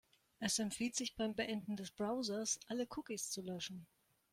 Es empfiehlt sich, beim Beenden des Browsers alle Cookies zu löschen.